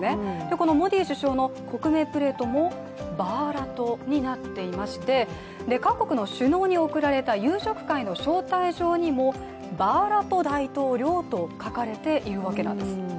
このモディ首相の国名プレートもバーラトになっていまして各国の首脳に送られた夕食会の招待状にもバーラト大統領と書かれているわけなんです。